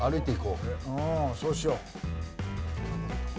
うんそうしよう。